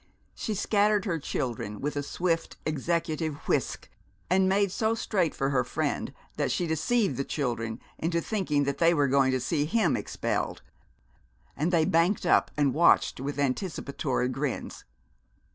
She scattered her children with a swift executive whisk, and made so straight for her friend that she deceived the children into thinking they were going to see him expelled, and they banked up and watched with anticipatory grins.